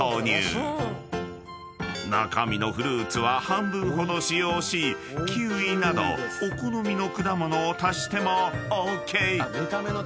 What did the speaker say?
［中身のフルーツは半分ほど使用しキウイなどお好みの果物を足してもＯＫ］